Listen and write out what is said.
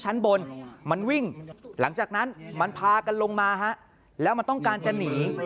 ชั้นบนมันวิ่งหลังจากนั้นมันพากันลงมาฮะแล้วมันต้องการจะหนี